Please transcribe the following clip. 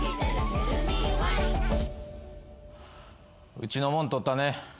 うちの物取ったね？